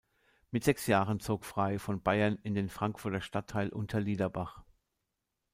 Mit sechs Jahren zog Frey von Bayern in den Frankfurter Stadtteil Unterliederbach.